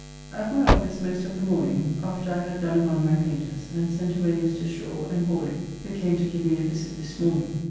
At my office most of the morning, after I had done among my painters, and sent away Mr. Shaw and Hawly, who came to give me a visit this morning.